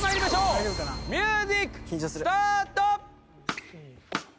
ミュージックスタート！